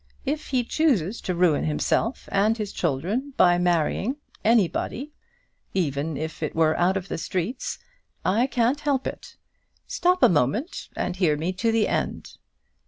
If he chooses to ruin himself and his children by marrying, anybody even if it were out of the streets I can't help it. Stop a moment and hear me to the end."